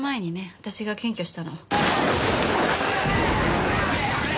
私が検挙したの。